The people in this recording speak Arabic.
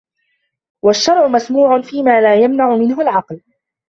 وَالشَّرْعُ مَسْمُوعٌ فِيمَا لَا يَمْنَعُ مِنْهُ الْعَقْلُ